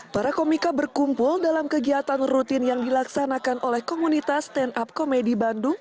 para komika berkumpul dalam kegiatan rutin yang dilaksanakan oleh komunitas stand up komedi bandung